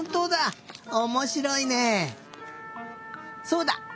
そうだ！